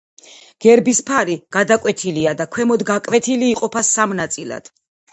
გერბის ფარი გადაკვეთილია და ქვემოთ გაკვეთილი, იყოფა სამ ნაწილად.